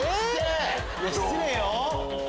失礼よ！